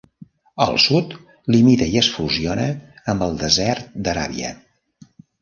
Al sud, limita i es fusiona amb el desert d'Aràbia.